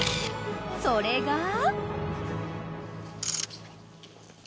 ［それが］